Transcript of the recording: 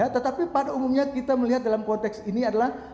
tetapi pada umumnya kita melihat dalam konteks ini adalah